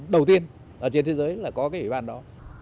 đầu tiên ở trên thế giới là có cái ủy ban đó